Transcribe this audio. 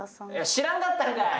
知らんかったんかい！